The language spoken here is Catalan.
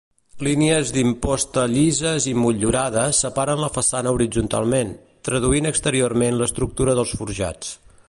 Línies d'imposta llises i motllurades separen la façana horitzontalment, traduint exteriorment l'estructura dels forjats.